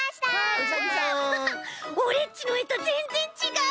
アハハオレっちのえとぜんぜんちがう。